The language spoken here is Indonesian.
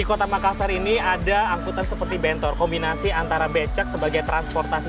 di kota makassar ini ada angkutan seperti bentor kombinasi antara becak sebagai transportasi